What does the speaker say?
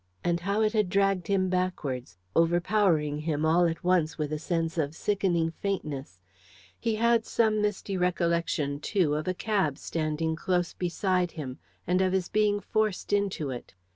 And how it had dragged him backwards, overpowering him all at once with a sense of sickening faintness. He had some misty recollection, too, of a cab standing close beside him, and of his being forced into it.